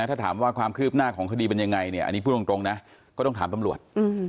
ถ้าถามว่าความคืบหน้าของคดีเป็นยังไงเนี่ยอันนี้พูดตรงนะก็ต้องถามตำรวจ